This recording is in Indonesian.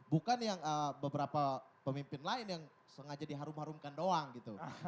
bukan yang beberapa pemimpin lain yang sengaja diharum harumkan doang gitu